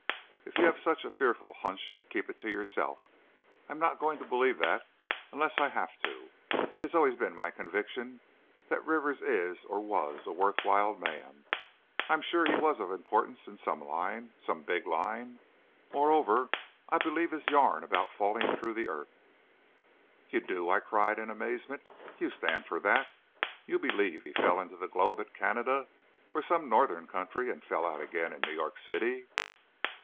If you have such a fearful hunch keep it to yourself. I'm not going to believe that, unless I have to! It has always been my conviction that Rivers is, or was, a worthwhile man. I feel sure he was of importance in some line, some big line. Moreover, I believe his yarn about falling through the earth." "You do!" I cried, in amazement. "You stand for that! You believe he fell into the globe at Canada, or some Northern country, and fell out again in New York City?"